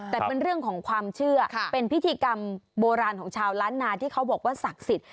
แต่เป็นเรื่องของความเชื่อเป็นพิธีกรรมโบราณของชาวล้านนาที่เขาบอกว่าศักดิ์สิทธิ